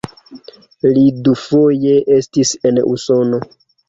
Li dufoje estis en Usono.